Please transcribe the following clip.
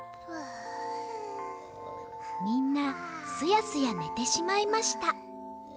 みんなすやすやねてしまいました。